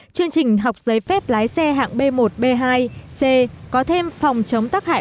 chương trình học giấy phép lái xe hạng b một b hai c có thêm phòng chống tắc hại